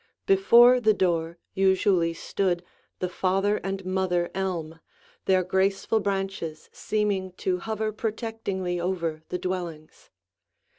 Before the door usually stood the father and mother elm, their graceful branches seeming to hover protectingly over the dwellings.